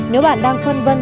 nếu bạn đang phân vân